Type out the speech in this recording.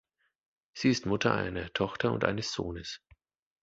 Sie ist Mutter einer Tochter und eines Sohnes.